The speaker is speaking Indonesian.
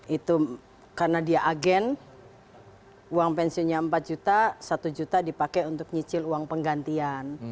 itu karena dia agen uang pensiunnya empat juta satu juta dipakai untuk nyicil uang penggantian